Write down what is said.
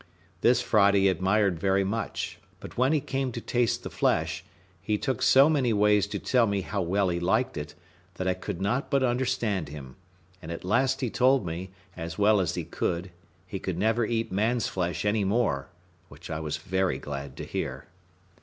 This Friday admired very much; but when he came to taste the flesh, he took so many ways to tell me how well he liked it, that I could not but understand him: and at last he told me, as well as he could, he would never eat man's flesh any more, which I was very glad to hear.